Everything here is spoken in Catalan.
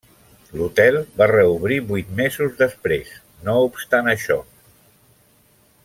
L'hotel va reobrir vuit mesos després, no obstant això.